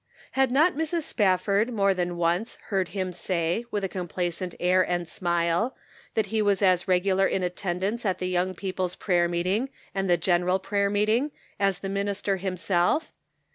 Had not Mrs. Spafford more than once heard him say, with a complacent air and smile, that he was as regular in attendance at the young people's prayer meeting and the general prayer meeting as the minister himself?